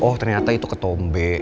oh ternyata itu ketombe